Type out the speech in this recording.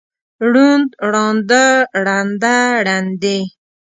ړوند، ړانده، ړنده، ړندې.